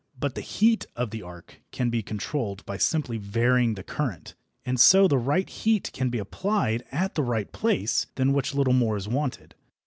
But the heat of the arc can be controlled by simply varying the current, and so the right heat can be applied at the right place, than which little more is wanted.